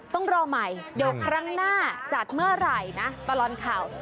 ต้องรอใหม่เดี๋ยวครั้งหน้าจัดเมื่อไหร่นะตลอดข่าว